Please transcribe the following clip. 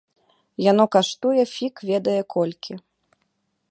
Яно каштуе фіг ведае колькі.